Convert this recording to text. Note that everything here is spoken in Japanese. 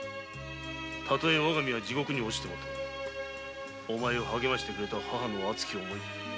たとえわが身は地獄に堕ちてもとお前を励ましてくれた母の熱き思い